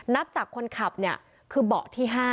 นับจากคนขับเนี่ยคือเบาะที่๕